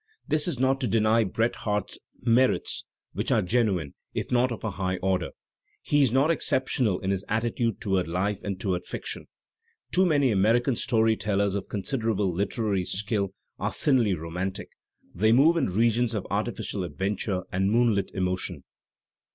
This is not to deny Bret Harte's merits, which are genuine if not of a high order. He is not exceptional in his attitude toward life and toward fiction. Too many American story tellers of considerable literary skill are thinly romantic; they move in regions of artificial adventure and moonlit emotion.